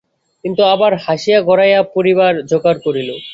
কিন্তু আবার হাসিয়া গড়াইয়া পড়িবার জোগাড় করিল।